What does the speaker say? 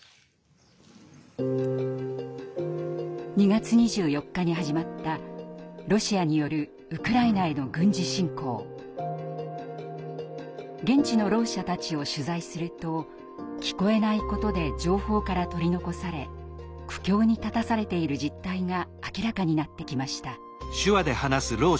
２月２４日に始まったロシアによる現地のろう者たちを取材すると聞こえないことで情報から取り残され苦境に立たされている実態が明らかになってきました。